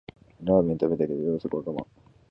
ラーメン食べたいけど夜遅くは我慢